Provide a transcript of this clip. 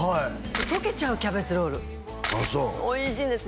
溶けちゃうキャベツ・ロールおいしいんです